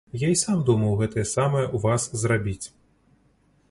Я і сам думаў гэтае самае ў вас зрабіць.